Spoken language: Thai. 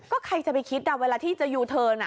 ก็ใครจะไปคิดเวลาที่จะยูเทิร์น